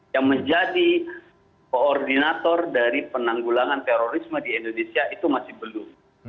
yang menjadi koordinator dari penanggulangan terorisme di indonesia itu masih belum